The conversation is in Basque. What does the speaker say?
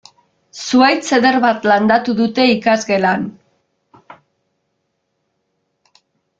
Zuhaitz eder bat landatu dute ikasgelan.